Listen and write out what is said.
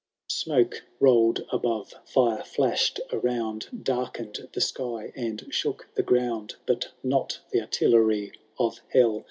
XVI. Smoke rollM above, fire flashed around. Darkened the sky and shook the ground ; But not the artillery of hell.